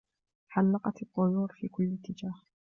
حلقت الطيور في كل اتجاه.